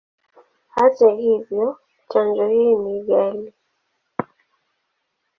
Hata hivyo, chanjo hii ni ghali.